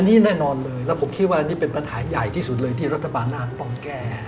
อันนี้แน่นอนเลยแล้วผมคิดว่าอันนี้เป็นปัญหาใหญ่ที่สุดเลยที่รัฐบาลนั้นต้องแก้